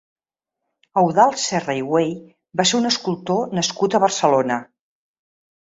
Eudald Serra i Güell va ser un escultor nascut a Barcelona.